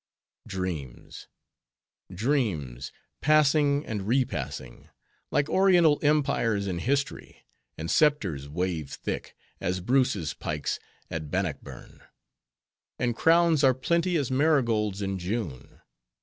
Dreams! dreams! passing and repassing, like Oriental empires in history; and scepters wave thick, as Bruce's pikes at Bannockburn; and crowns are plenty as marigolds in June.